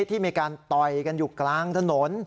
ที่มีการต่อยกันอยู่กลางถนน